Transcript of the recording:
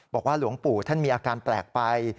หลวงปู่ท่านมีอาการแปลกไป